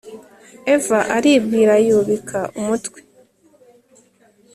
Eva aribwira yubika umutwe